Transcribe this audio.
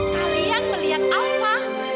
kalian melihat alva